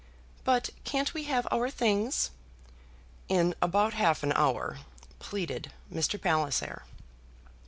"But can't we have our things?" "In about half an hour," pleaded Mr. Palliser.